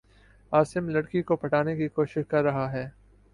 عاصم لڑ کی کو پٹانے کی کو شش کر رہا ہے